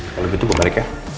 kalau begitu gue balik ya